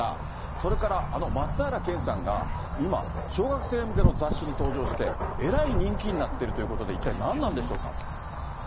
それから、あの松平健さんが今、小学生向けの雑誌に登場して、えらい人気になってるということで、一体何なんでしょうか。